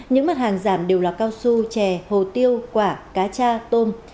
những mặt hàng giảm đều là cao su chè hồ tiêu quả cá cha tôm